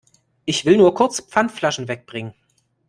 Ich will nur kurz Pfandflaschen weg bringen.